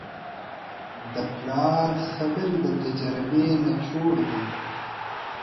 د پلار خبرې د تجربې نچوړ دی.